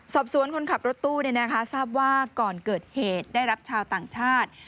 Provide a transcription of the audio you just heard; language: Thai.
สอบสวนคนขับรถตู้ทราบว่าก่อนเกิดเหตุได้รับชาวต่างชาติ